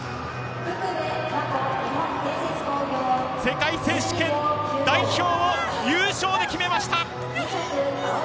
世界選手権代表を優勝で決めました！